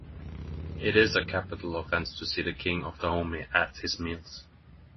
It is a capital offense to see the king of Dahomey at his meals.